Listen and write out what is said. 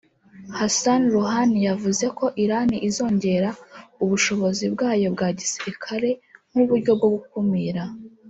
Hassan Rouhani yavuze ko Irani izongera ubushobozi bwayo bwa gisirikare nk'uburyo bwo gukumira